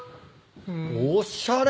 おしゃれ。